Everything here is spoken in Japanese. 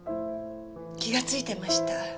気がついてました。